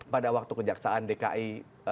pada waktu kejaksaan dki